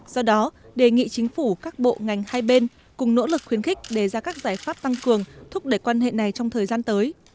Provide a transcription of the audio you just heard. do đó đề nghị chính phủ các bộ ngành hai bên cùng nỗ lực khuyến khích đề ra các giải pháp tăng cường thúc đẩy quan hệ này trong thời gian tới